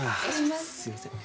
すいません。